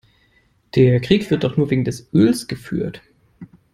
Der Krieg wird doch nur wegen des Öls geführt.